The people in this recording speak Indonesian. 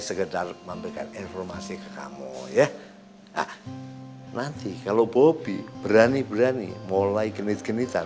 sekedar memberikan informasi ke kamu ya ah nanti kalau bobi berani berani mulai genit genitan